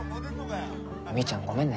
みーちゃんごめんね。